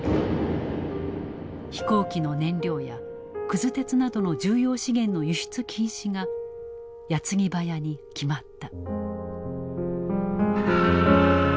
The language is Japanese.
飛行機の燃料やくず鉄などの重要資源の輸出禁止が矢継ぎ早に決まった。